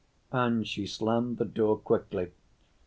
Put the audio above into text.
And she slammed the door quickly.